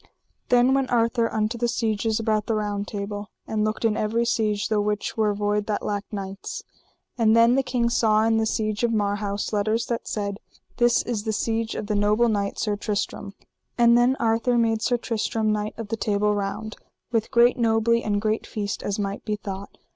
Then went Arthur unto the sieges about the Round Table, and looked in every siege the which were void that lacked knights. And then the king saw in the siege of Marhaus letters that said: This is the siege of the noble knight, Sir Tristram. And then Arthur made Sir Tristram Knight of the Table Round, with great nobley and great feast as might be thought.